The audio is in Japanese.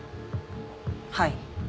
はい。